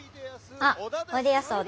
あっおいでやす小田。